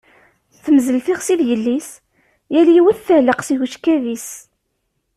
Temmzel tixsi d yelli-s, yal yiwet tɛelleq seg ucekkab-is.